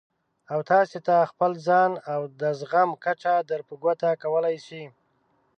او تاسې ته خپل ځان او د زغم کچه در په ګوته کولای شي.